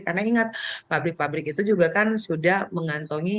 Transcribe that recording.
karena ingat pabrik pabrik itu juga kan sudah mengantongi ijad